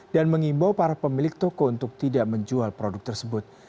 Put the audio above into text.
dan mengimbau para pemilik toko untuk tidak menjual produk tersebut